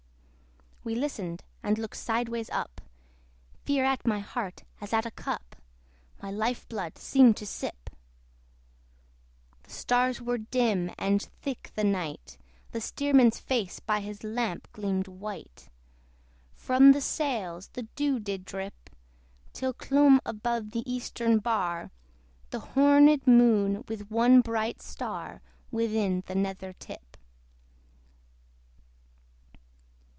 We listened and looked sideways up! Fear at my heart, as at a cup, My life blood seemed to sip! The stars were dim, and thick the night, The steersman's face by his lamp gleamed white; From the sails the dew did drip Till clombe above the eastern bar The horned Moon, with one bright star Within the nether tip.